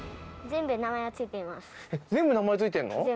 全部名前付いてるの？